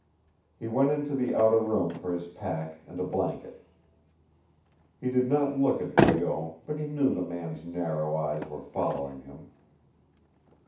He went into the outer room for his pack and a blanket. He did not look at Breault, but he knew the man's narrow eyes were following him.